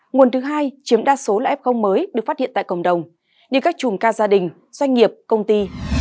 nguồn thứ hai chiếm đa số là f mới được phát hiện tại cộng đồng như các chùm ca gia đình doanh nghiệp công ty